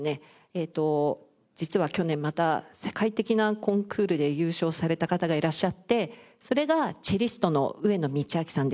ええと実は去年また世界的なコンクールで優勝された方がいらっしゃってそれがチェリストの上野通明さんです。